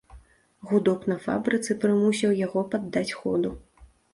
Гудок на фабрыцы прымусіў яго паддаць ходу.